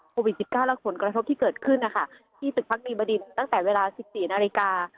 โควิด๑๙และผลกระทบที่เกิดขึ้นนะคะที่ตึกพักดีบดินตั้งแต่เวลา๑๔นาฬิกา